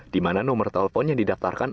dimana nomor telepon yang didaftarkan